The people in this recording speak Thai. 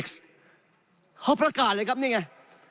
เขาประกาศเลยครับนี่ไง